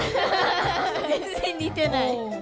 全然似てない。